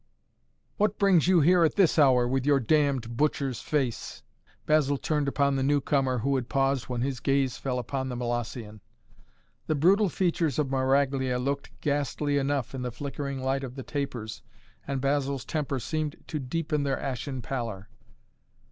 "What brings you here at this hour, with your damned butcher's face?" Basil turned upon the newcomer who had paused when his gaze fell upon the Molossian. The brutal features of Maraglia looked ghastly enough in the flickering light of the tapers and Basil's temper seemed to deepen their ashen pallor.